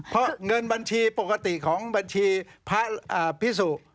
เพราะเงินบัญชีปกติของบัญชีพระพิสุ